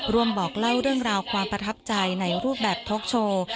บอกเล่าเรื่องราวความประทับใจในรูปแบบท็อกโชว์